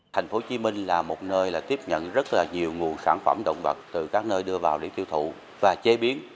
tp hcm là một nơi tiếp nhận rất nhiều nguồn sản phẩm động vật từ các nơi đưa vào để tiêu thụ và chế biến